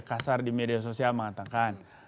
kasar di media sosial mengatakan